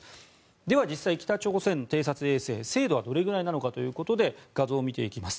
では実際、北朝鮮の偵察衛星精度はどれくらいなのかということで画像を見ていきます。